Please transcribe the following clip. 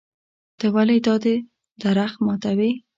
ته ولې دا درخت ماتوې.